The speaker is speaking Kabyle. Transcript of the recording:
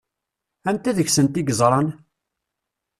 Anta deg-sent i yeẓṛan?